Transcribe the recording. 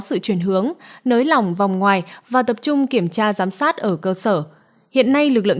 sự chuyển hướng nới lỏng vòng ngoài và tập trung kiểm tra giám sát ở cơ sở hiện nay lực lượng